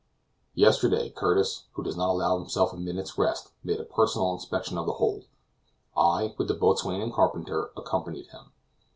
Yesterday Curtis, who does not allow himself a minute's rest, made a personal inspection of the hold. I, with the boatswain and carpenter, accompanied him.